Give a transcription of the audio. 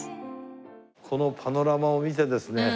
このパノラマを見てですね